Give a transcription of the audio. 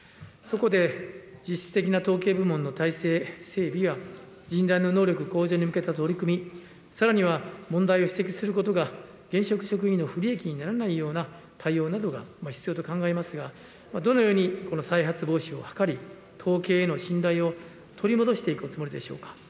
そこで、実質的な統計部門の体制整備や、人材の能力向上に向けた取り組み、さらには問題を指摘することが現職職員の不利益にならないような対応などが必要と考えますが、どのようにこの再発防止を図り、統計への信頼を取り戻していくおつもりでしょうか。